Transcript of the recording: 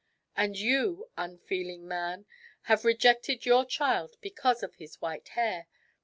And you, unfeeling man, have rejected your child because of his white hair.